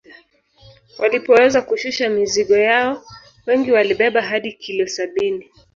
Walipoweza kushusha mizigo yao wengi walibeba hadi kilo sabini